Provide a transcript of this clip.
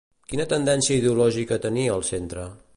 Quina tendència ideològica tenia el centre?